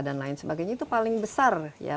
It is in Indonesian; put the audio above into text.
dan lain sebagainya itu paling besar ya